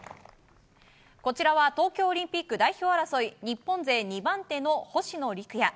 こちらは東京オリンピック代表争い日本勢２番手の星野陸也。